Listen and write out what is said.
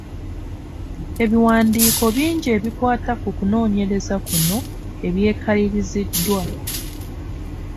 Ebiwandiiko bingi ebikwata ku kunoonyereza kuno ebyekaliriziddwa.